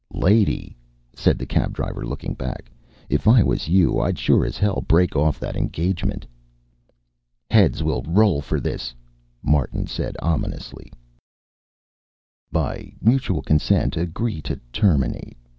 "Lady," said the cab driver, looking back, "if I was you, I'd sure as hell break off that engagement." "Heads will roll for this," Martin said ominously. "By mutual consent, agree to terminate